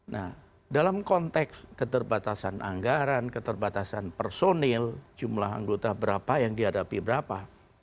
nah dalam konteks keterbatasan anggaran keterbatasan personil jumlah anggota berapa yang dihadapi berapa